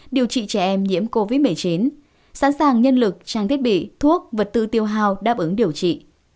điều trị trẻ em nhiễm covid một mươi chín sẵn sàng nhân lực trang thiết bị thuốc vật tư tiêu hào đáp ứng điều trị